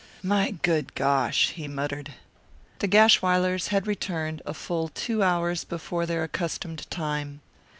"My good gosh!" he muttered. The Gashwilers had returned a full two hours before their accustomed time.